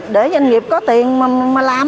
để doanh nghiệp có tiền mà làm